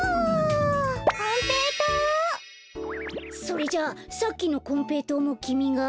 それじゃあさっきのこんぺいとうもきみが？